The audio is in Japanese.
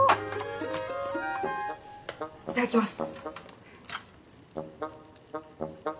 いただきます。